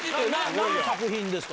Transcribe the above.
なんの作品ですか？